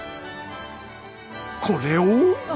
これを。